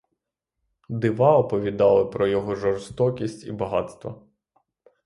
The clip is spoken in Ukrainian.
Дива оповідали про його жорстокість і багатства.